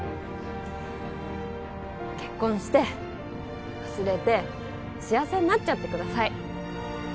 結婚して忘れて幸せになっちゃってください